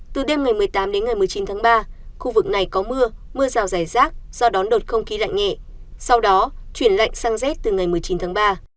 từ đêm ngày một mươi tám đến ngày một mươi chín tháng ba khu vực này có mưa mưa rào rải rác do đón đợt không khí lạnh nhẹ sau đó chuyển lạnh sang rét từ ngày một mươi chín tháng ba